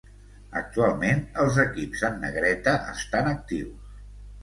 Actualment els equips en negreta estan actius.